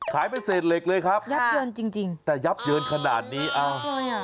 ขายเป็นเศษเหล็กเลยครับยับเยินจริงจริงแต่ยับเยินขนาดนี้อ้าวเลยอ่ะ